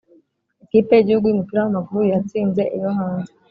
Ikipe yigihugu yumupira wamaguru yatsinze iyohanze